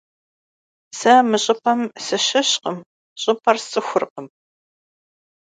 Se mı ş'ıp'em sışışkhım, ş'ıp'er sts'ıxurkhım.